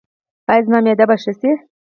ایا زما معده به ښه شي؟